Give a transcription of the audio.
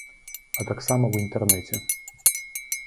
А таксама ў інтэрнэце.